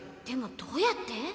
でもどうやって？